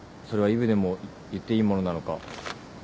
それはイブでも言っていいものなのか。